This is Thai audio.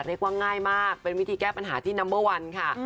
ง่ายมากเป็นวิธีแก้ปัญหาที่นัมเบอร์วันค่ะ